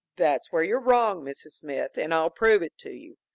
"That's where you're wrong, Mrs. Smith, and I'll prove it to you.